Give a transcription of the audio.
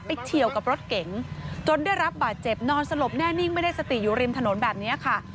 เฉียวกับรถเก๋งจนได้รับบาดเจ็บนอนสลบแน่นิ่งไม่ได้สติอยู่ริมถนนแบบนี้ค่ะ